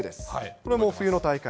これも冬の大会。